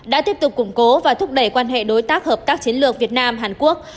đã tiếp tục củng cố và thúc đẩy quan hệ đối tác hợp tác chiến lược việt nam hàn quốc